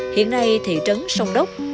hiện nay thị trấn sông đốc